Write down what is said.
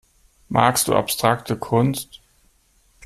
Magst du abstrakte Kunst?